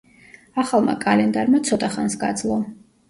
ახალმა კალენდარმა ცოტა ხანს გაძლო.